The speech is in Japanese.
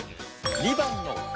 ２番の勝